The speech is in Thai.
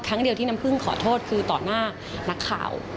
ครั้งเดียวที่น้ำพึ่งขอโทษคือต่อหน้านักข่าว